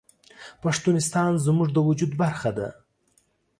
پښتونستان زموږ د وجود برخه ده